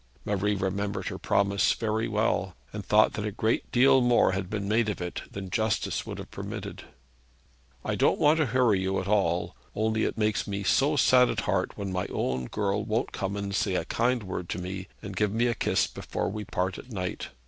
Marie remembered her promise very well, and thought that a great deal more had been made of it than justice would have permitted. 'I don't want to hurry you at all, only it makes me so sad at heart when my own girl won't come and say a kind word to me and give me a kiss before we part at night.